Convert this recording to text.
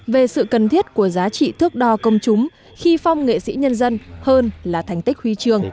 về sự cần thiết của giá trị thước đo công chúng khi phong nghệ sĩ nhân dân hơn là thành tích huy trường